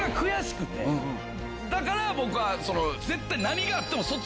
だから僕は。